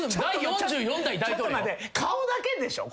顔だけでしょ？